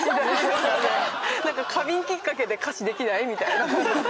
花瓶きっかけで歌詞できない？みたいな。